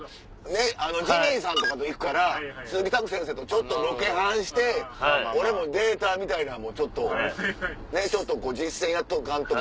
ねっジミーさんとかと行くから鈴木拓先生とちょっとロケハンして俺もデータみたいなんもちょっとこう実践やっとかんと。